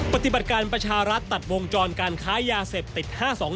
ปฏิบัติการประชารัฐตัดวงจรการค้ายาเสพติด๕๒